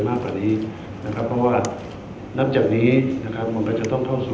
มากกว่านี้นะครับเพราะว่านับจากนี้นะครับมันก็จะต้องเข้าสู่